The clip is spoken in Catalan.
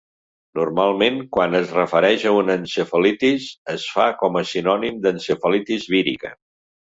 Normalment quan es refereix a una encefalitis, es fa com a sinònim d'encefalitis vírica.